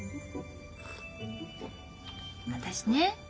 私ね